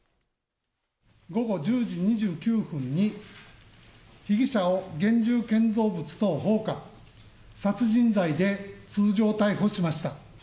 午後１０時２９分に、被疑者を現住建造物等放火・殺人罪で通常逮捕しました。